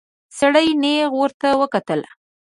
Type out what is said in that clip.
سړي نيغ ورته وکتل.